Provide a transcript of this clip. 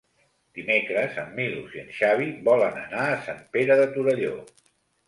Dimecres en Milos i en Xavi volen anar a Sant Pere de Torelló.